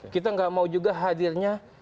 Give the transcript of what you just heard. kita nggak mau juga hadirnya